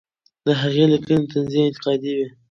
د هغې لیکنې طنزي او انتقادي وې.